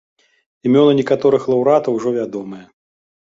Імёны некаторых лаўрэатаў ужо вядомыя.